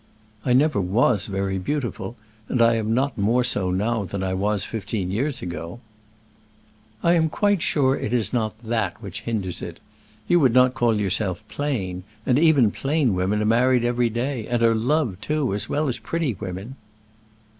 I never was very beautiful, and I am not more so now than I was fifteen years ago." "I am quite sure it is not that which hinders it. You would not call yourself plain; and even plain women are married every day, and are loved, too, as well as pretty women."